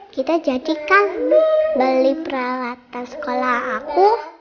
kita jadikan beli peralatan sekolah aku